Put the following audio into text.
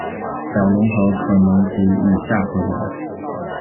小龙河可能指以下河流：